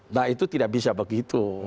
nah itu tidak bisa begitu